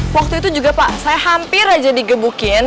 waktu itu juga pak saya hampir aja digebukin